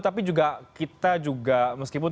tapi juga kita juga meskipun